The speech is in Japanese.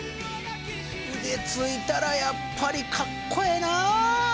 腕付いたらやっぱりかっこええな！